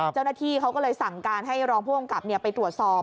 เจ้าหน้าที่เขาก็เลยสั่งการให้รองผู้กำกับไปตรวจสอบ